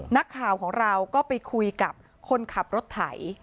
นักข่าวของเราก็ไปคุยกับคนขับรถไถ